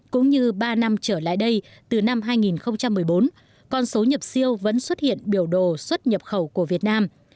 cũng như ba năm trở lại đây từ năm hai nghìn một mươi bốn con số nhập siêu vẫn xuất hiện biểu đồ xuất nhập khẩu của việt nam